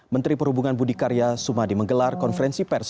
menteri perhubungan budi karya sumadi menggelar konferensi pers